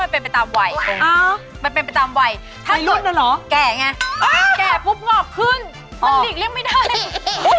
มันเป็นไปตามวัยมันเป็นไปตามวัยถ้าเก่งแก่ไงแก่ปุ๊บงอกขึ้นมันหลีกเลี่ยงไม่ได้